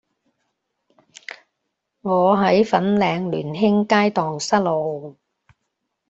我喺粉嶺聯興街盪失路